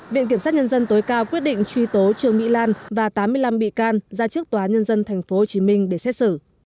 viện kiểm sát nhân dân tối cao quyết định truy tố trương mỹ lan và tám mươi năm bị can ra trước tòa nhân dân tp hcm để xét xử